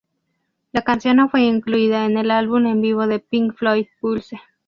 La canción no fue incluida en el álbum en vivo de Pink Floyd, Pulse.